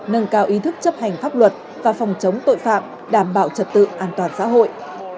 nâng cao ý thức chấp hành pháp luật và phòng chống tội phạm đảm bảo trật tự an toàn xã hội